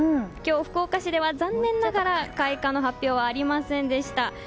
今日、福岡市では残念ながら開花の発表はありませんでした。